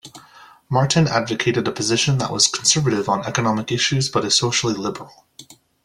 Martin advocated a position that was conservative on economic issues but is socially liberal.